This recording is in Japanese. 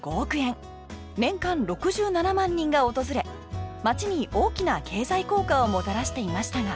年間６７万人が訪れ町に大きな経済効果をもたらしていましたが。